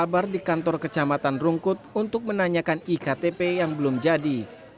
sabar di kantor kecamatan rungkut untuk menanyakan iktp yang belum jadi